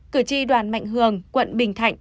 cử tri đoàn mạnh hường quận bình thạnh